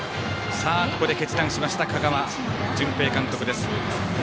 ここで決断しました香川純平監督です。